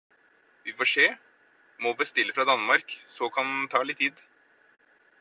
Vi får se. Må bestille fra Danmark, så kan ta litt tid.